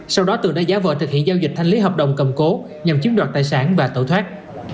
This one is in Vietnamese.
sau đó tường đã giá vợ thực hiện giao dịch thanh lý hợp đồng cầm cố nhằm chiếm đoạt tài sản và tẩu thoát